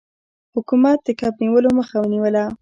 حکومت د کب نیولو مخه ونیوله.